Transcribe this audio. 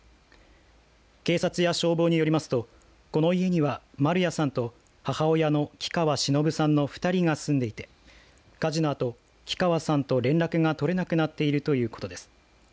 警察や消防によりますとこの家には、丸谷さんと母親の鬼川しのぶさんの２人が住んでいて火事のあと鬼川さんと連絡が取れなくなっているということです。